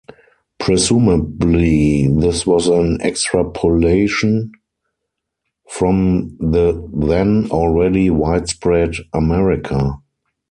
Presumably, this was an extrapolation from the then already widespread "Amerika".